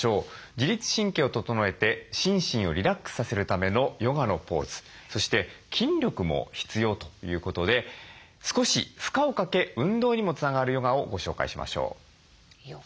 自律神経を整えて心身をリラックスさせるためのヨガのポーズそして筋力も必要ということで少し負荷をかけ運動にもつながるヨガをご紹介しましょう。